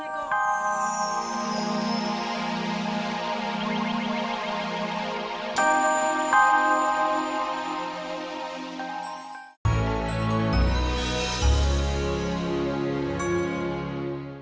sampai jumpa lagi